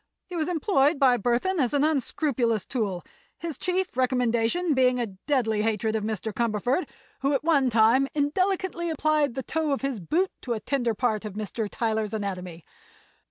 He was employed by Burthon as an unscrupulous tool, his chief recommendation being a deadly hatred of Mr. Cumberford, who at one time indelicately applied the toe of his boot to a tender part of Mr. Tyler's anatomy.